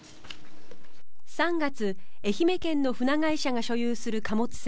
３月愛媛県の船会社が所有する貨物船